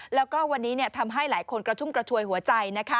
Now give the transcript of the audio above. แล้วก็วันนี้ทำให้หลายคนกระชุ่มกระชวยหัวใจ